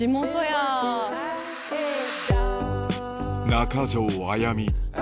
中条あやみ